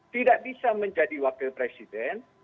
tidak bisa menjadi wakil presiden